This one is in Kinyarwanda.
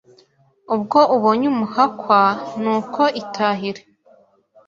”ubwo ubonye umuhakwa ni uko itahire